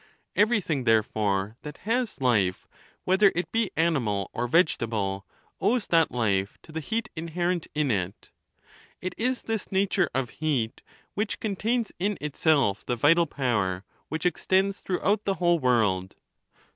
Everything, therefore, that has life, wheth er it be animal or vegetable, owes that life to the heat in licrcnt in it; it is this nature of heat which contains in it self the vital power which extends throughout the whole >vorld.